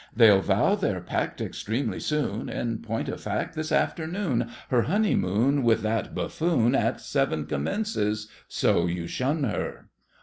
They'll vow their pact Extremely soon, In point of fact This afternoon. Her honeymoon With that buffoon At seven commences, so you shun her!